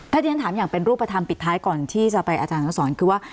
ถ้าที่ฉันถามอย่างเป็นรูปธรรมปิดท้ายก่อนที่จะไปอาจารย์อนุสรคือว่า